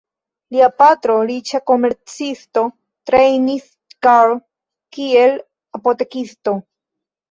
Lia patro, riĉa komercisto, trejnis Carl kiel apotekisto.